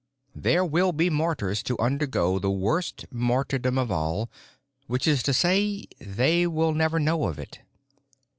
There will be martyrs to undergo the worst martyrdom of all—which is to say, they will never know of it.